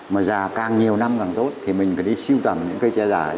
mà già càng nhiều năm càng tốt thì mình phải đi siêu tầm những cây tre già